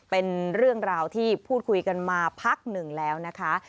เป็นเรื่องราวที่พูดคุยกันมาพักหนึ่งแล้วนะคะ